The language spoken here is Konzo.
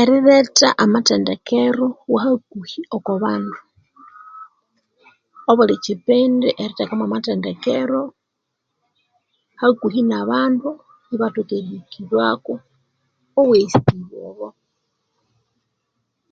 Eriletha amathendekero wahakuhi nabandu. Obuli kyipindi erithekamo mwa amathendekero hakuhi nabandu, ibathoke erihikibwako obweghesibwa obo.